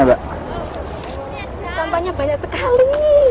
sampahnya banyak sekali